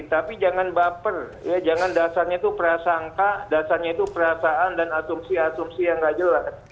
tapi jangan baper jangan dasarnya itu prasangka dasarnya itu perasaan dan atumsi atumsi yang tidak jelas